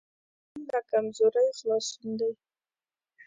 خوړل له کمزورۍ خلاصون دی